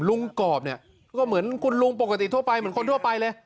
กรอบเนี่ยก็เหมือนคุณลุงปกติทั่วไปเหมือนคนทั่วไปเลย